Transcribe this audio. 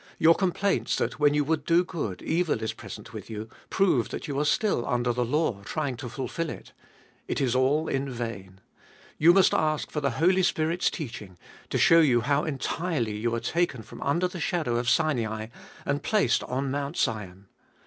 Your complaints that when you would do good, evil is present with you, prove that you are still under the law, trying to fulfil it. It is all in vain. You must ask for the Holy Spirit's teaching, to show you how entirely you are taken from under the shadow 608 Sbe fjolieBt of all of Sinai, and placed on Mount Sion.